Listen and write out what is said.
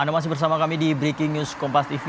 anda masih bersama kami di breaking news kompas tv